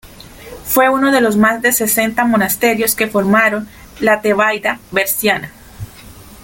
Fue uno de los más de sesenta monasterios que formaron la Tebaida berciana.